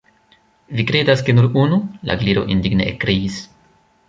"Vi kredas ke nur unu?" la Gliro indigne ekkriis.